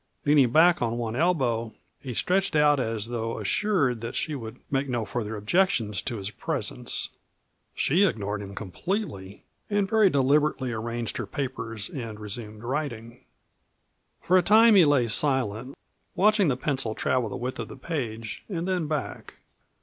Leaning back on one elbow he stretched out as though assured that she would make no further objections to his presence. She ignored him completely and very deliberately arranged her papers and resumed writing. For a time he lay silent, watching the pencil travel the width of the page and then back.